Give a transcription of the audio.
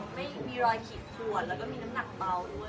ไม่มีรอยขีดขวดแล้วก็มีน้ำหนักเบาด้วย